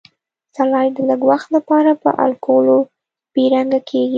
سلایډ د لږ وخت لپاره په الکولو بې رنګ کیږي.